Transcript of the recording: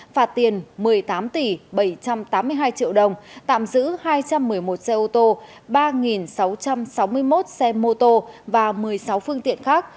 phạt tiền một mươi tám tỷ bảy trăm tám mươi hai triệu đồng tạm giữ hai trăm một mươi một xe ô tô ba sáu trăm sáu mươi một xe mô tô và một mươi sáu phương tiện khác